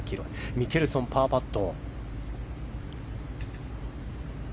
ミケルソン、パーパット。